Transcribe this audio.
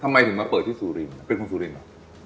ทำไมถึงมาเปิดที่สูรินทร์เป็นคนสูรินทร์หรือ